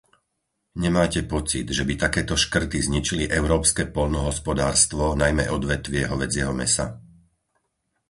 Nemáte pocit, že by takéto škrty zničili európske poľnohospodárstvo, najmä odvetvie hovädzieho mäsa?